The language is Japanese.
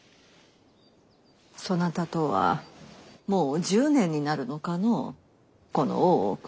そなたとはもう１０年になるのかのうこの大奥で。